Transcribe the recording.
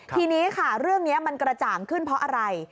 ทีนี้ค่ะเรื่องนี้มันกระจ่างขึ้นเพราะอะไร